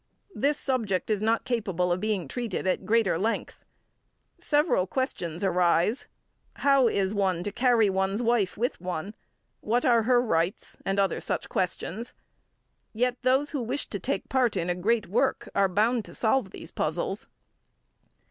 This subject is not capable of being treated at greater length. Several questions arise: How is one to carry one's wife with one? What are her rights, and such other questions? Yet those who wish to take part in a great work are bound to solve these puzzles.